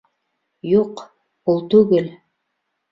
— Юҡ, ул түгел.